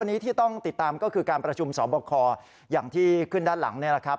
วันนี้ที่ต้องติดตามก็คือการประชุมสอบคออย่างที่ขึ้นด้านหลังนี่แหละครับ